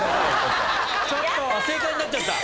正解になっちゃった！